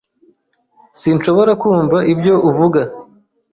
Sinshobora kumva ibyo uvuga.